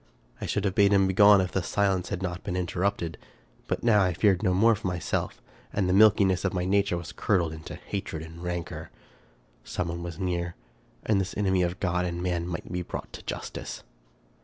I should have bade him begone if the silence had not been interrupted ; but now I feared no more for myself ; and the milkiness of my nature was curdled into hatred and rancor. Some one was near, and this enemy of God and man might possibly be brought to justice.